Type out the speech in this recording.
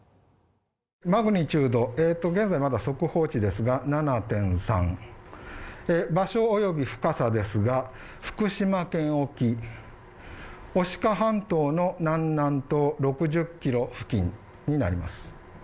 マグニチュード現在まだ速報値ですが、７．３場所および深さですが、福島県沖牡鹿半島の南南東６０キロ付近になります。